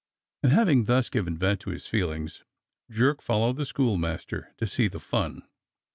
And having thus given vent to his feelings, Jerk followed the school master to see the fun.